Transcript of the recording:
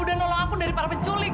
udah nolong aku dari para penculik